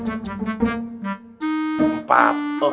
tapi kenyataannya ana liat dengan kedua mata ana sendiri